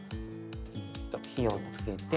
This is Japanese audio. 火をつけて。